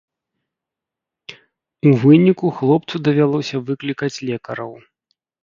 У выніку хлопцу давялося выклікаць лекараў.